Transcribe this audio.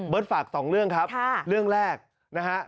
เบิร์ตฝากสองเรื่องครับเรื่องแรกนะครับ